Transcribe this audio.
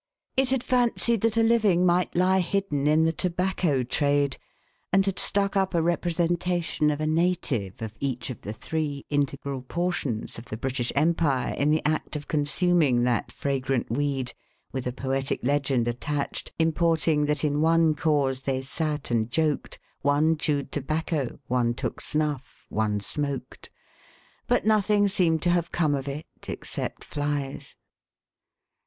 It had fancied that a living might lie hidden in the tobacco trade, and had stuck up a representa tion of a native of each of the three integral portions of the British empire, in the act of consuming that fragrant weed ; with a poetic legend attached, importing that in one cause they sat and joked, one chewed tobacco, one took*snuff, one smoked ; but nothing seemed to have come of it, — except flies.